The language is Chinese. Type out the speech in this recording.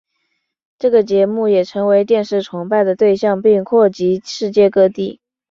这个节目也成为电视崇拜的对象并扩及世界各地。